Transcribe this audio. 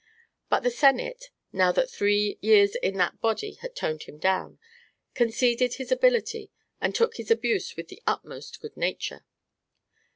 But the Senate, now that three years in that body had toned him down, conceded his ability and took his abuse with the utmost good nature.